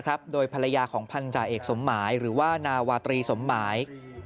โดยภรรยาของพันธาเอกสมหมายหรือว่านาวาตรีสมหมาย